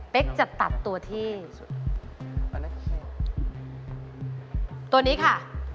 เฟ็กจะตัดตัวที่ตัวนี้ค่ะ